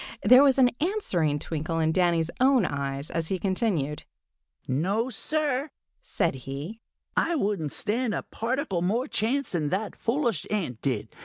There was an answering twinkle in Danny's own eyes as he continued. "No, Sir," said he, "I wouldn't stand a particle more chance than that foolish ant did.